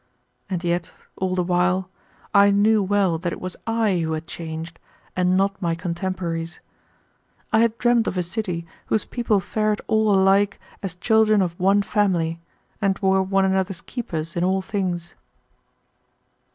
And yet, all the while, I knew well that it was I who had changed, and not my contemporaries. I had dreamed of a city whose people fared all alike as children of one family and were one another's keepers in all things.